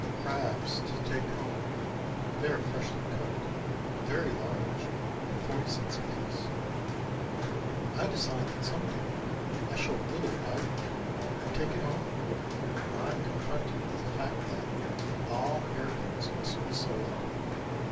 "Crabs to take home." They are freshly cooked, very large and forty cents apiece. I decide that some I shall really buy one and take it home when I confronted with the fact that "All Hair Goods Must Be Sold."